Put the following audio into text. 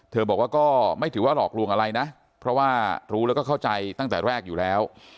บอกว่าก็ไม่ถือว่าหลอกลวงอะไรนะเพราะว่ารู้แล้วก็เข้าใจตั้งแต่แรกอยู่แล้ว